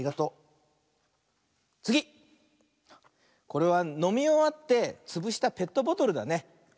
これはのみおわってつぶしたペットボトルだね。